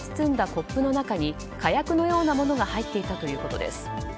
コップの中に火薬のようなものが入っていたということです。